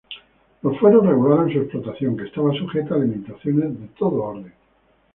Los fueros regularon su explotación que estaba sujeta a limitaciones de todo orden.